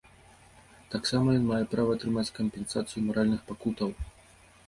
Таксама ён мае права атрымаць кампенсацыю маральных пакутаў.